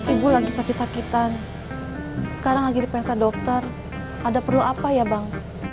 ibu lagi sakit sakitan sekarang lagi dipesa dokter ada perlu apa ya bang